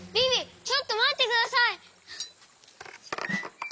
ちょっとまってください！